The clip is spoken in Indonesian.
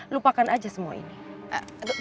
lupakan aja semua ini